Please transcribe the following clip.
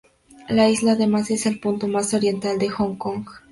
La isla además es el punto más oriental de Hong Kong.